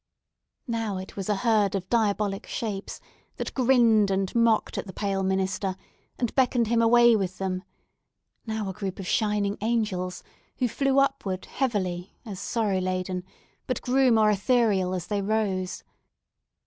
Now it was a herd of diabolic shapes, that grinned and mocked at the pale minister, and beckoned him away with them; now a group of shining angels, who flew upward heavily, as sorrow laden, but grew more ethereal as they rose.